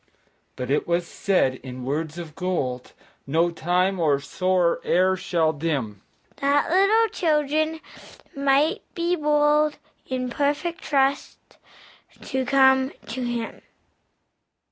But it was said, in words of gold No time or sorrow e'er shall dim, That little children might be bold In perfect trust to come to Him.